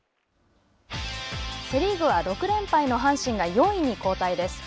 セ・リーグは６連敗の阪神が４位後退です。